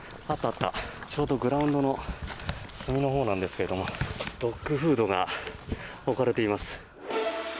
ちょうどグラウンドの隅のほうなんですけどドッグフードが置かれています。